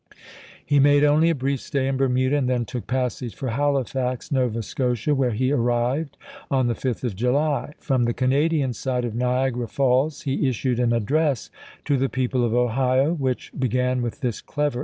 He made only a brief stay in Bermuda, and then took passage for Halifax, Nova Scotia, Moore, where he arrived on the 5th of July. From the "iecoiaT Canadian side of Niagara Falls he issued an address docu " to the people of Ohio, which began with this clever ments, \